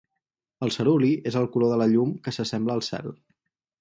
El ceruli és el color de la llum que s'assembla al cel.